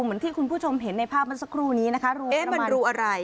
เหมือนที่คุณผู้ชมเห็นในภาพมันสักครู่นี้นะคะเอ๊ะมันรูอะไร